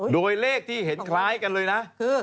โดยเลขที่เห็นคล้ายกันเลยนะคือ